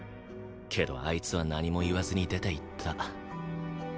けどあいつは何も言わずに出て行った。